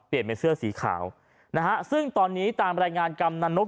เปลี่ยนเป็นเสื้อสีขาวนะฮะซึ่งตอนนี้ตามแรงงานกำนันนก